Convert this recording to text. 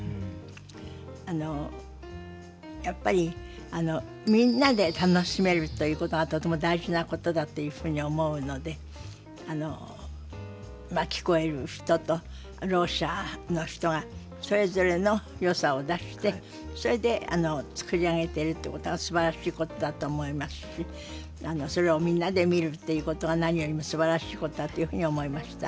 あのやっぱりみんなで楽しめるということがとても大事なことだっていうふうに思うので聞こえる人とろう者の人がそれぞれのよさを出してそれで作り上げてるっていうことがすばらしいことだと思いますしそれをみんなで見るっていうことが何よりもすばらしいことだというふうに思いました。